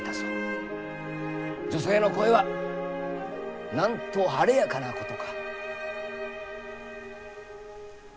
女性の声はなんと晴れやかなことか。